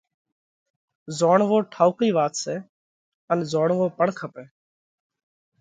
زوڻوو ٺائُوڪئي وات سئہ ان زوڻوو پڻ کپئہ۔